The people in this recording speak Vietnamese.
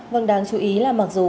vâng đáng chú ý là mặc dù